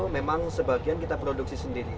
memang sebagian kita produksi sendiri